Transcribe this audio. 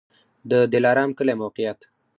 د دلارام کلی موقعیت